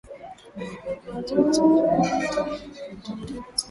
Wanyama wapatiwe chanjo kwa kufata utaratibu